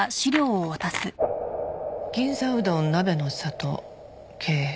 「銀座うどん鍋の里経営者」。